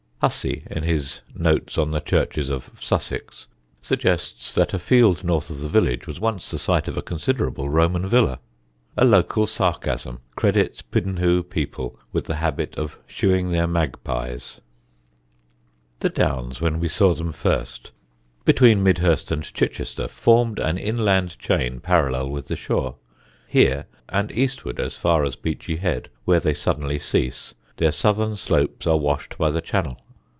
Hussey, in his Notes on the Churches of ... Sussex, suggests that a field north of the village was once the site of a considerable Roman villa. A local sarcasm credits Piddinghoe people with the habit of shoeing their magpies. [Illustration: Piddinghoe.] The Downs when we saw them first, between Midhurst and Chichester, formed an inland chain parallel with the shore: here, and eastward as far as Beachy Head, where they suddenly cease, their southern slopes are washed by the Channel.